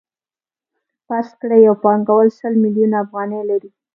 فرض کړئ یو پانګوال سل میلیونه افغانۍ لري